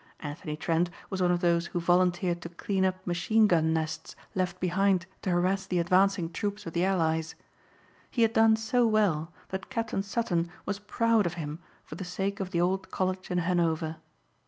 Anthony Trent was one of those who volunteered to clean up machine gun nests left behind to harass the advancing troops of the Allies. He had done so well that Captain Sutton was proud of him for the sake of the old college in Hanover.